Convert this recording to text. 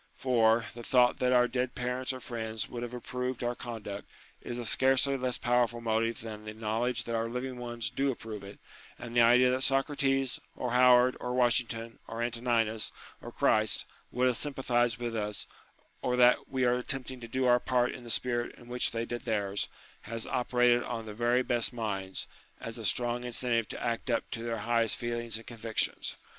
For, the thought that our dead parents or friends would have approved our con duct is a scarcely less powerful motive than the knowledge that our living ones do approve it : and the idea that Socrates, or Howard or Washington, or Antoninus, or Christ, would have sympathized with us, or that we are attempting to do our part in the spirit in which they did theirs, has operated on the very best minds, as a strong incentive to act up to their highest feelings and convictions.